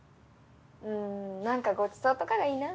うんなんかごちそうとかがいいな。